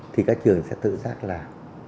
thì các trường sẽ tự xác làm